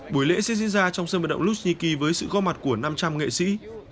buổi lễ sẽ diễn ra trong sân vận động lufni với sự góp mặt của năm trăm linh nghệ sĩ